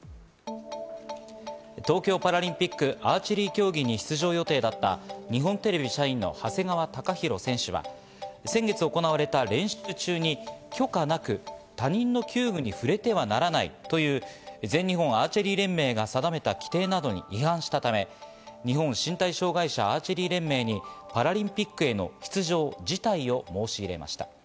東京パラリンピックアーチェリー競技に出場予定だった日本テレビ社員の長谷川貴大選手は先月、行われた練習中に許可なく他人の弓具に触れてはならないという全日本アーチェリー連盟が定めた規定などに違反したため、日本身体障害者アーチェリー連盟にパラリンピックへの出場辞退を申し入れました。